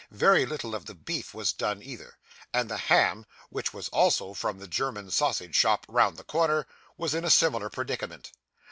Very little of the beef was done either; and the ham (which was also from the German sausage shop round the corner) was in a similar predicament.